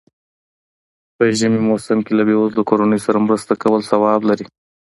په ژمی موسم کی له بېوزلو کورنيو سره مرسته کول ثواب لري.